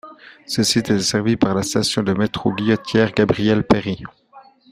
Ce site est desservi par la station de métro Guillotière - Gabriel Péri.